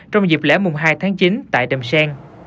trong dịp lễ hai tháng chín tại đàm xe